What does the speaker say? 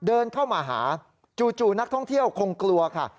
เดินเข้ามาหาจู่นักท่องเที่ยวคงกลัวค่ะ